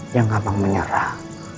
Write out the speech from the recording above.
yang gampang menyerah